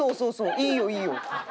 いいよいいよ。